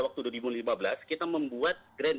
waktu dua ribu lima belas kita membuat grand